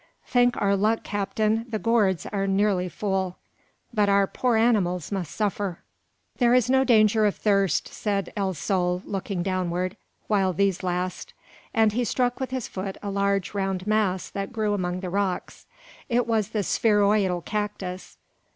"Thank our luck, captain, the gourds are nearly full." "But our poor animals must suffer." "There is no danger of thirst," said El Sol, looking downward, "while these last;" and he struck with his foot a large round mass that grew among the rocks. It was the spheroidal cactus.